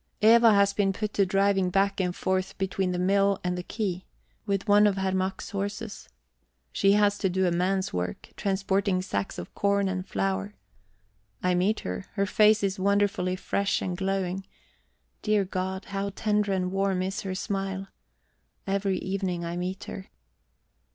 Eva has been put to driving back and forth between the mill and the quay, with one of Herr Mack's horses. She has to do a man's work, transporting sacks of corn and flour. I meet her; her face is wonderfully fresh and glowing. Dear God, how tender and warm is her smile! Every evening I meet her.